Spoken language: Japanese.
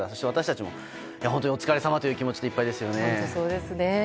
私たちも本当にお疲れさまという気持ちでいっぱいですよね。